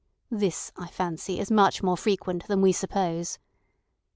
This, I fancy, is much more frequent than we suppose.